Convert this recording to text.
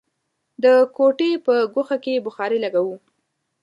د کوټې په ګوښه کې بخارۍ لګوو.